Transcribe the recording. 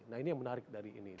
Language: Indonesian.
nah ini yang menarik dari ini